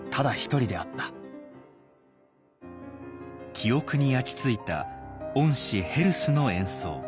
記憶に焼き付いた恩師ヘルスの演奏。